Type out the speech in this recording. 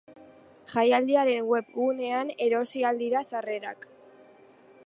Jaialdiaren webgunean erosi ahal dira sarrerak.